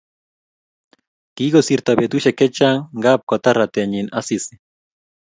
Kikosirto betusiek chechang ngab kotar ratenyi Asisi